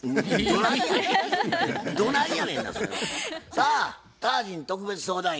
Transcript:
さあタージン特別相談員